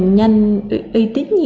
nhanh uy tín